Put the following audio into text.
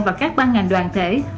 và các ban ngành đoàn thể